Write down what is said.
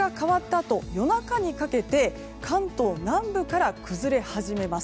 あと夜中にかけて関東南部から崩れ始めます。